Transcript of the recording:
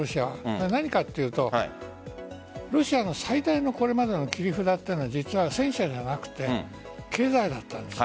何かというとロシアの最大のこれまでの切り札は実は、戦車じゃなくて経済だったんです。